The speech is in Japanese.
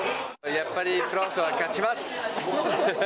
やっぱりフランスは勝ちます。